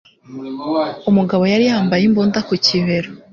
Umugabo yari yambaye imbunda ku kibero